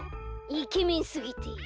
イケメンすぎてごめん。